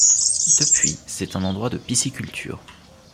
Depuis, c'est un endroit de pisciculture.